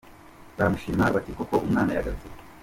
baramushima bati “Koko umwana yagaruye